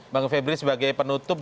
bang febri sebagai penutup